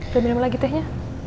beli minum lagi tehnya